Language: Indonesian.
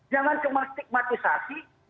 jangan cuma stigmatisasi